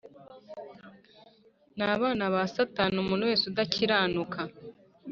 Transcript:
n abana ba Satani Umuntu wese udakiranuka